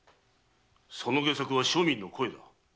その戯作は庶民の声だ。